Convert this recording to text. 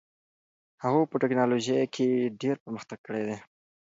هغوی په ټیکنالوژۍ کې ډېر پرمختګ کړی دي.